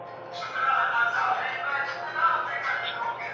তিনি তার হাদিস সংগ্রহ সহীহ ইবনে খুজাইমাহ এর জন্য বেশি পরিচিত।